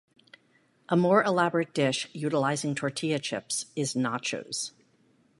A more elaborate dish utilizing tortilla chips is nachos.